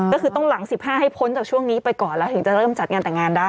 ก็คือต้องหลัง๑๕ให้พ้นจากช่วงนี้ไปก่อนแล้วถึงจะเริ่มจัดงานแต่งงานได้